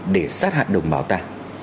để sát hại đồng bào ta